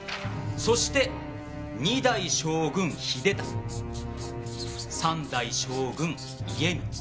そして２代将軍・秀忠３代将軍・家光。